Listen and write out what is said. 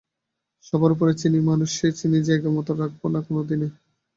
সবার ওপরে চিনি মানুষ সে চিনি জায়গা মতন রাখবে না কোনো দিনই?